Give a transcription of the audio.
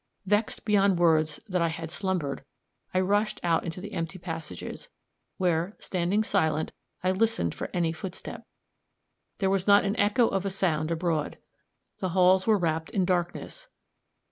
Vexed beyond words that I had slumbered, I rushed out into the empty passages, where, standing silent, I listened for any footstep. There was not the echo of a sound abroad. The halls were wrapped in darkness.